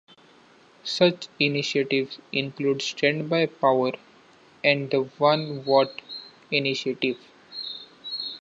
Such initiatives include standby power and the One Watt Initiative.